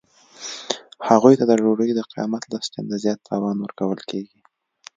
هغوی ته د ډوډۍ د قیمت لس چنده زیات تاوان ورکول کیږي